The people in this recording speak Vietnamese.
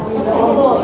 dạ cô tôi